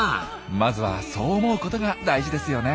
まずはそう思うことが大事ですよね！